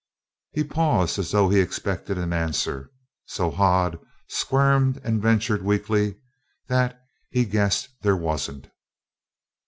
He paused as though he expected an answer, so "Hod" squirmed and ventured weakly that he "guessed there wasn't."